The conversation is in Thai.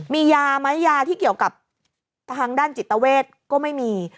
มียาไหมยาที่เกี่ยวกับทางด้านจิตเวทก็ไม่มี